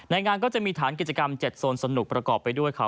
งานก็จะมีฐานกิจกรรม๗โซนสนุกประกอบไปด้วยค่ะ